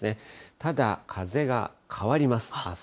ただ風が変わります。